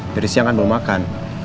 dari siang kan mau makan